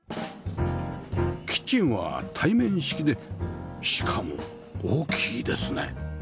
キッチンは対面式でしかも大きいですね